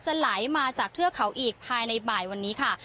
ไหลมาจากเทือกเขาอีกภายในบ่ายวันนี้ค่ะ